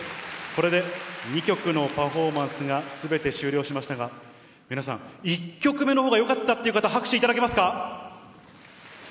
これで２曲のパフォーマンスがすべて終了しましたが、皆さん、１曲目のほうがよかったっていう方、拍手いただけますか？